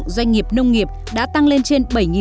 doanh nghiệp nông nghiệp đã tăng lên trên